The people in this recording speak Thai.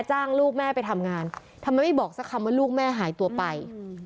ลูกแม่ไปทำงานทำไมไม่บอกสักคำว่าลูกแม่หายตัวไป